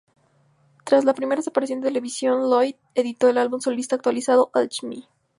Tras la primera separación de Televisión, Lloyd editó un álbum solista titulado "Alchemy".